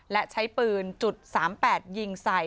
และใช้ปืน๓๘ยิงใส่